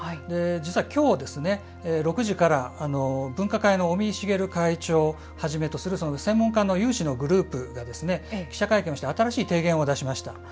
実はきょう６時から分科会の尾身茂会長をはじめとする専門家の有志のグループが記者会見をして新しい提言を出しました。